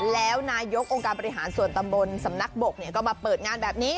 แล้วนายกองค์การบริหารส่วนตำบลสำนักบกก็มาเปิดงานแบบนี้